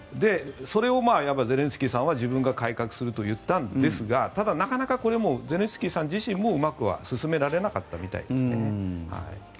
それをいわばゼレンスキーさんは自分が改革すると言ったんですがただ、なかなかこれもゼレンスキーさん自身もうまくは進められなかったみたいです。